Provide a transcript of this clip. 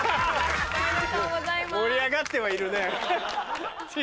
盛り上がってはいるね。